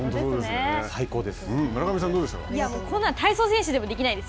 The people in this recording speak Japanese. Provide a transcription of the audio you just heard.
最高です。